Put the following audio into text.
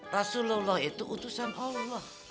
rasulullah itu utusan allah